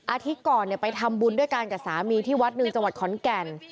อาทิตย์ก่อนไปทำบุญด้วยกันกับสามีที่วัดหนึ่งจังหวัดขอนแก่น